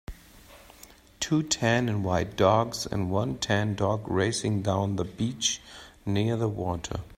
Two tan and white dogs and one tan dog racing down the beach near the water.